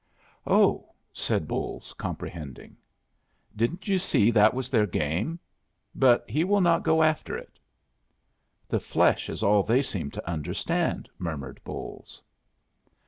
"Oh!" said Bolles, comprehending. "Didn't you see that was their game? But he will not go after it." "The flesh is all they seem to understand," murmured Bolles.